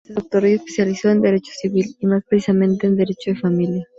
Se doctoró y especializó en Derecho Civil y, más precisamente, en Derecho de familia.